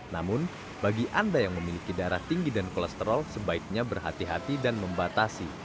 namun bagi anda yang memiliki darah tinggi dan kolesterol sebaiknya berhati hati dan membatasi